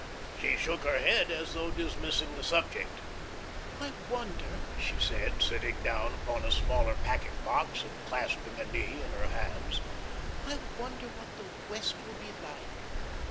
She shook her head, as though dismissing the subject. "I wonder," she said, sitting down upon a smaller packing box and clasping a knee in her hands, "I wonder what the West will be like.